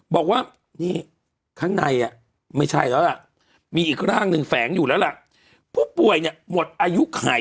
บอกว่านี่ข้างในไม่ใช่แล้วล่ะมีอีกร่างหนึ่งแฝงอยู่แล้วล่ะผู้ป่วยเนี่ยหมดอายุไข